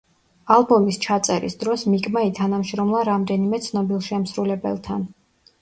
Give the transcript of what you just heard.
ალბომის ჩაწერის დროს მიკმა ითანამშრომლა რამდენიმე ცნობილ შემსრულებელთან.